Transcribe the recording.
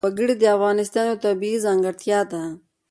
وګړي د افغانستان یوه طبیعي ځانګړتیا ده.